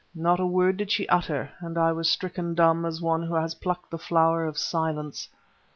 Not a word did she utter, and I was stricken dumb as one who has plucked the Flower of Silence.